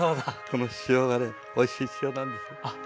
この塩がねおいしい塩なんです。